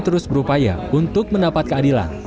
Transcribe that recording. terus berupaya untuk mendapat keadilan